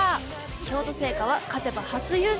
京都精華は勝てば初優勝。